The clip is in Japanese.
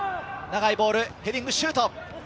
長いボール、ヘディングシュート。